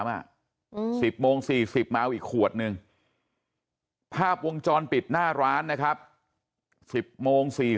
๑๐โมง๔๐มาเอาอีกขวดนึงภาพวงจรปิดหน้าร้านนะครับ๑๐โมง๔๐